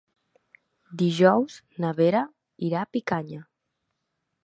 Dijous na Vera irà a Picanya.